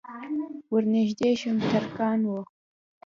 ور نږدې شوم ترکان وو.